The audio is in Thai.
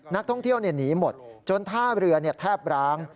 นักท่องเที่ยวหนีหมดจนท่าเรือแทบร้าง